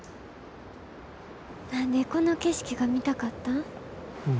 何で、この景色が見たかったん？